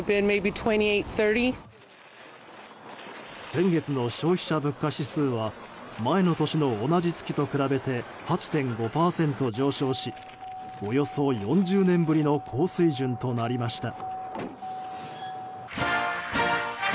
先月の消費者物価指数は前の年の同じ月と比べて８．５％上昇しおよそ４０年ぶりの高水準となりました。